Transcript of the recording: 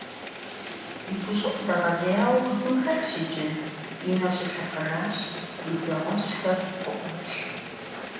И гущӀыӀу дэгъэзеяуэ удзым хэлъщ иджы, и нэр щӀилъэфэжащ, и дзэ гъуэжьхэр къыӀуоплъ.